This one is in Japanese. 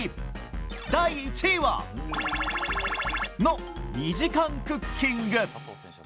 第１位は○○の２時間クッキング。